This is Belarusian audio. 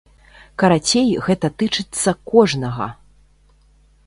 Карацей, гэта тычыцца кожнага!